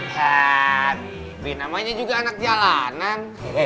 hah bibi namanya juga anak jalanan